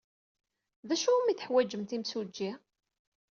D acu umi teḥwajemt imsujji?